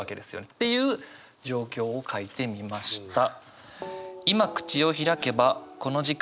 っていう状況を書いてみました。